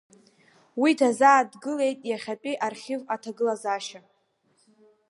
Уи дазааҭгылеит иахьазы архив аҭагылазаашьа.